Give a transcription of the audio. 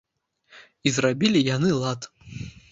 І зрабілі яны лад.